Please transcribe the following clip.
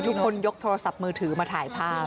ยกคนยกโทรศัพท์มือถือมาถ่ายภาพ